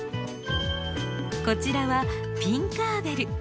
こちらは「ピンカーベル」。